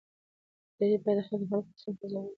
ادارې باید د خلکو غوښتنو ته ځواب ووایي